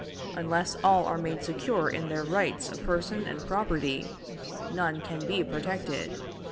Unless all are made secure in their rights of person and property, none can be protected."